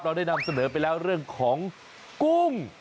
ได้นำเสนอไปแล้วเรื่องของกุ้ง